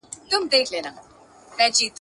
خو په يوه څانګه کي